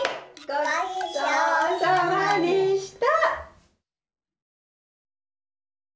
ごちそうさまでした。